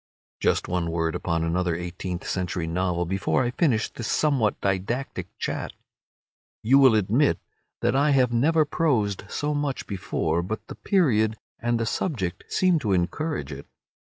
Just one word upon another eighteenth century novel before I finish this somewhat didactic chat. You will admit that I have never prosed so much before, but the period and the subject seem to encourage it.